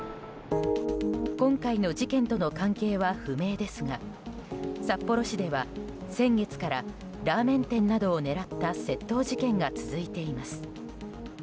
今回の事件との関係は不明ですが札幌市では先月からラーメン店などを狙った窃盗事件が続いています。